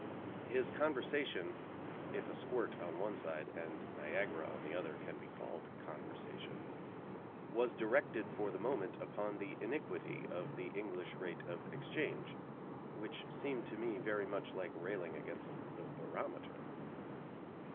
His conversation, if a squirt on one side and Niagara on the other can be called conversation, was directed for the moment upon the iniquity of the English rate of exchange, which seemed to me very much like railing against the barometer.